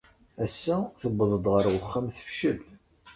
Ass-a, tewweḍ-d ɣer uxxam tefcel.